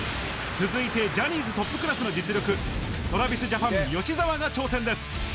続いてジャニーズトップクラスの実力、トラビスジャパン・吉澤が挑戦です。